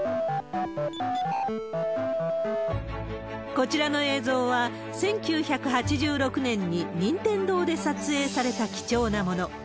こちらの映像は、１９８６年に任天堂で撮影された貴重なもの。